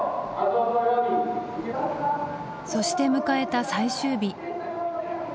そして迎えた最終日。